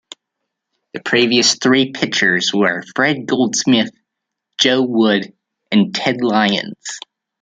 The previous three pitchers were Fred Goldsmith, Joe Wood, and Ted Lyons.